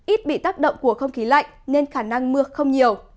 ít bị tác động của không khí lạnh nên khả năng mưa không nhiều